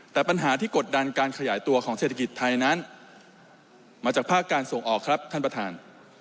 แต่ปัญหาที่กดดันการขยายตัวของเศรษฐกิจไทยนั้นมาจากภาคการส่งออกครับท่านประธาน